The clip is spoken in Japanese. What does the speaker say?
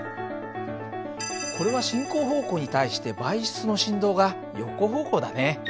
これは進行方向に対して媒質の振動が横方向だね。